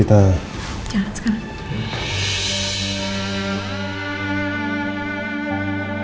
kita jalan sekarang